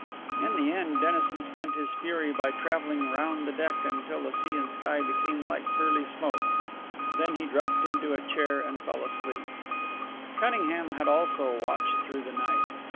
In the end Dennison spent his fury by travelling round the deck until the sea and sky became like pearly smoke. Then he dropped into a chair and fell asleep. Cunningham had also watched through the night.